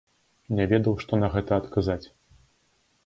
Не ведаў, што на гэта адказаць.